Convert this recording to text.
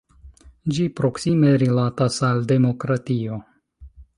Ĝi proksime rilatas al demokratio.